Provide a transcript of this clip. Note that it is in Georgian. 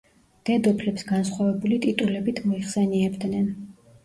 დედოფლებს განსხვავებული ტიტულებით მოიხსენიებდნენ.